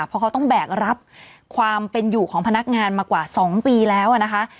เพราะเขาต้องแบกรับความเป็นอยู่ของพนักงานมากว่า๒ปีแล้วนะคะ